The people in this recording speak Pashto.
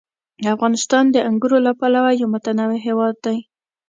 افغانستان د انګورو له پلوه یو متنوع هېواد دی.